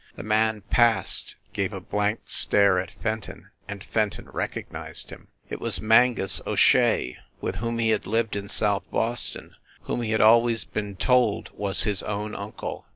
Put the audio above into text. The man passed, gave a blank stare at Fenton ; and Fenton recognized him. It was Mangus O Shea, with whom he had lived in South Boston, whom he had always been told was his own uncle.